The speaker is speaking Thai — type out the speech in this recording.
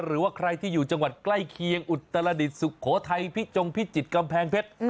หรือว่าใครที่อยู่จังหวัดใกล้เคียงอุตรดิษฐสุโขทัยพิจงพิจิตรกำแพงเพชร